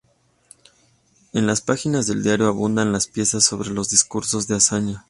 En las páginas del diario abundan las piezas sobre los discursos de Azaña.